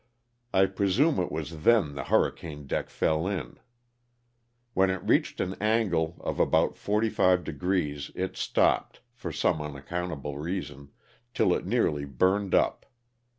I pre sume it was then the hurricane deck fell in. When it reached an angle of about forty five degrees it stopped, for some unaccountable reason, till it nearly burned up.